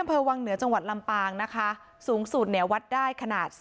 ขัมเภอวังเหนือจังหวัดลำปางนะคะสูงสูงแหนววัดได้ขนาด๔๙